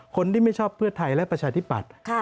คนที่ไม่ชอบเพื่อไทยและประชาธิปัตย์